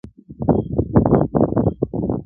o خو لا يې سترگي نه دي سرې خلگ خبري كـوي.